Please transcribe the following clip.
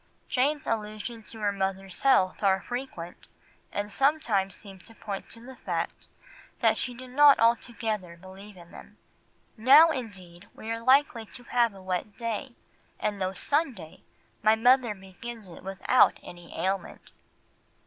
Jane's allusions to her mother's health are frequent, and sometimes seem to point to the fact that she did not altogether believe in them— "Now indeed we are likely to have a wet day, and though Sunday, my mother begins it without any ailment."